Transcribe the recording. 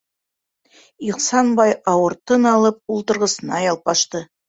Ихсанбай, ауыр тын алып, ултырғысына ялпашты.